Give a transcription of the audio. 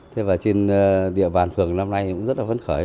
thế và trên địa bàn phường năm nay cũng rất là vấn khởi